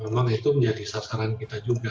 memang itu menjadi sasaran kita juga